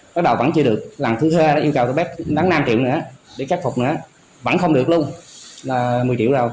bắt đầu vẫn chưa được lần thứ hai yêu cầu bác đáng năm triệu nữa để khắc phục nữa vẫn không được luôn là một mươi triệu rồi